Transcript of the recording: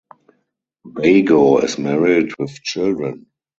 Bago is married with children.